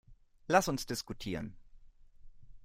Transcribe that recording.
Lass uns diskutieren.